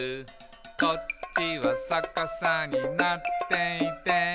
「こっちはさかさになっていて」